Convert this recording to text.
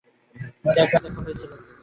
আমাদের একবার দেখা হয়েছিল।